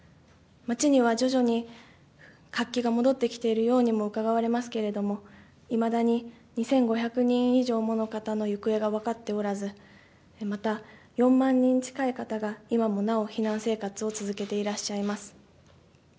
町には徐々に活気が戻ってきているようにもうかがわれますけれども、いまだに２５００人以上もの方の行方が分かっておらず、また、４万人近い方が今もなお避難生活を続けていらっしゃいます。